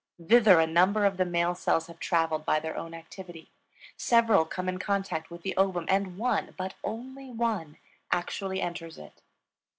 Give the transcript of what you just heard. Thither a number of the male cells have traveled by their own activity; several come in contact with the ovum and one, but only one, actually enters it.